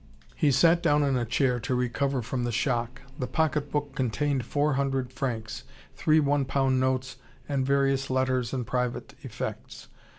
He sat down in a chair, to recover from the shock. The pocket book contained four hundred francs, three one pound notes, and various letters and private effects.